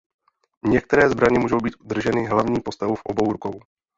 Některé zbraně můžou být drženy hlavní postavou v obou rukou.